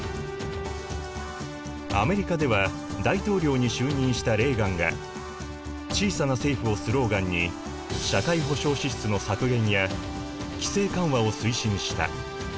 アメリカでは大統領に就任したレーガンが「小さな政府」をスローガンに社会保障支出の削減や規制緩和を推進した。